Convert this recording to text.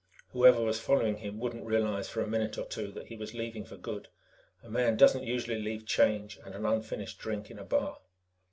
Whoever was following him wouldn't realize for a minute or two that he was leaving for good. A man doesn't usually leave change and an unfinished drink in a bar.